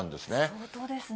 相当ですね。